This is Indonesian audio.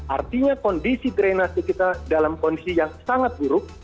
artinya kondisi drainasi kita dalam kondisi yang sangat buruk